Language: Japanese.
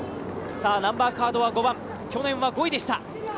ナンバーカードは５番、去年は５位でした。